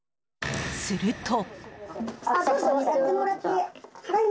すると。